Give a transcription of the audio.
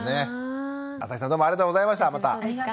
あさひさんどうもありがとうございましたまた。